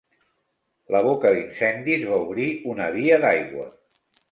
La boca d'incendis va obrir una via d'aigua.